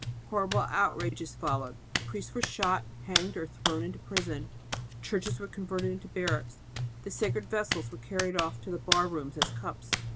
Horrible outrages followed; priests were shot, hanged or thrown into prison; churches were converted into barracks, the sacred vessels were carried off to the bar rooms as cups.